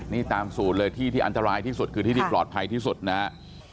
นี่ตามสูตรเลยที่ที่อันตรายที่สุดคือที่ที่ปลอดภัยที่สุดนะฮะ